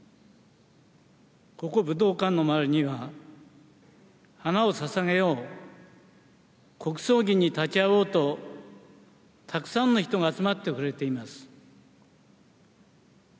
ここ、武道館の周りには花をささげよう、国葬儀に立ち会おうと、たくさんの人が集まってくれています。